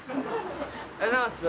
おはようございます。